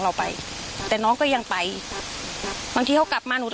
เพราะอาเองก็ดูข่าวน้องชมพู่